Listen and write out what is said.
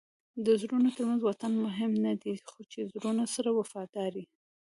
د زړونو ترمنځ واټن مهم نه دئ؛ خو چي زړونه سره وفادار يي.